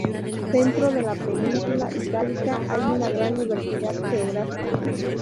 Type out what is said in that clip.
Dentro de la península itálica hay una gran diversidad geográfica.